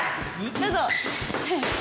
どうぞ。